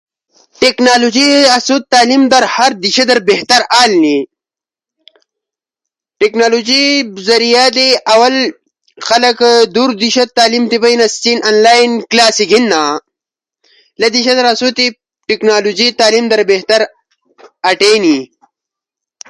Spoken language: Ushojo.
اوسو تی تعلیم در ٹیکنالوجی ھر پون در استعمال اٹینی سی موݜو کمی کالو در ٹیکنالوجی ھر دیشہ اسانی اٹینی